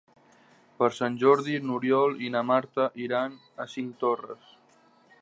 Per Sant Jordi n'Oriol i na Marta iran a Cinctorres.